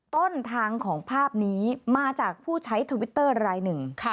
ต้นทางของภาพนี้มาจากผู้ใช้ทวิตเตอร์รายหนึ่ง